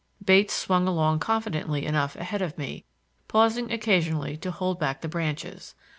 Bates swung along confidently enough ahead of me, pausing occasionally to hold back the branches.